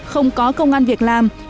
không có công an việc làm